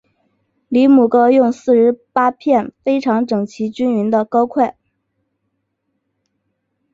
离母糕用四十八片非常整齐均匀的糕块。